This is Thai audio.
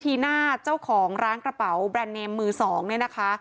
ีน่าเจ้าของร้านกระเป๋าแบรนด์เนมมือสองเนี่ยนะคะ